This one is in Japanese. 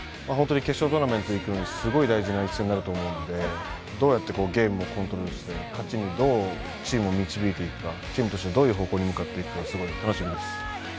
決勝トーナメントに行くのに、すごい大事な一戦になると思うのでどうやってゲームをコントロールして勝ちにどうチームを導いていくかチームとして、どういう方向に向かっていくかすごい楽しみです。